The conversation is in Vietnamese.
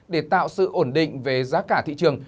để tạo sự ổn định về giá cả thị trường